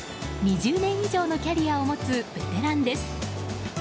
２０年以上のキャリアを持つベテランです。